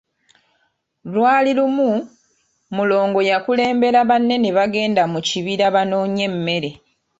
Lwali lumu, Mulongo yakulembera banne ne bagenda mu kibira banoonye emmere.